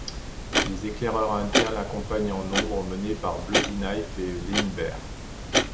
Des éclaireurs indiens l'accompagnent en nombre, menés par Bloody Knife et Lean Bear.